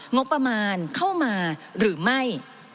งบประมาณเข้ามาหรือไม่